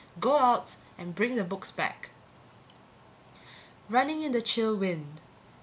Go out and bring the books back. Running in the chill night wind.